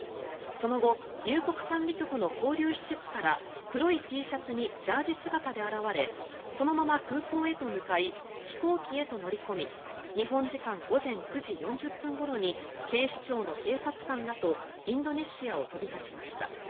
その後入国管理局の勾留施設から黒いＴシャツにジャージー姿で現れそのまま空港へと向かい飛行機へと乗り込み日本時間午前９時４０分ごろに警視庁の警察官らとインドネシアを飛び立ちました。